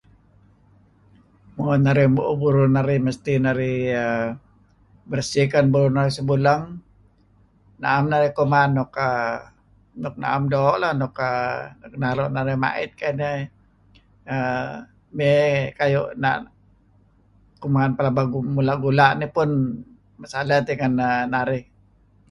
Mo narih muuh burur narih mesti narih uhm bersih kan mo narih sebuleng naem narih kuman nuk ka nuk naem doo' lah nuk naru' narih mait kaiineh uhm may kuman nuk pelaba mula' gula' nih pun salad dih kan narih.